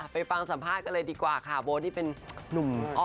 ไปฟังสัมภาษณ์กันเลยดีกว่าค่ะโบ๊ทนี่เป็นนุ่ม